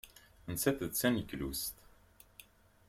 Nettat d taneglust.